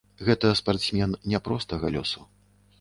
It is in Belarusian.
Гэта спартсмен няпростага лёсу.